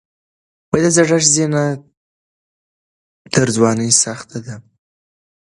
د زړښت زینه تر ځوانۍ سخته ده.